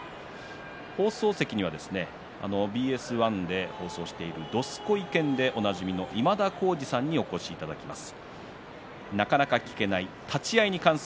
放送席にはＢＳ１で放送している「どすこい研」でおなじみの、今田耕司さんをお迎えします。